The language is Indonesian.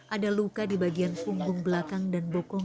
ada luka di bagian punggung belakang dan bokong